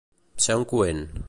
Ser un coent.